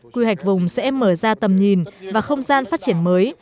quy hoạch vùng sẽ mở ra tầm nhìn và không gian phát triển mới